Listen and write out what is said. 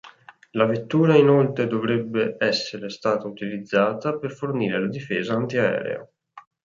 La vettura inoltre dovrebbe essere stata utilizzata per fornire la difesa antiaerea.